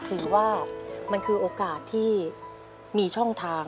ถือว่ามันคือโอกาสที่มีช่องทาง